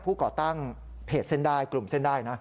ผู้เกาะตั้งเพชรเซ็นดายกลุ่มเซ็นได้นะ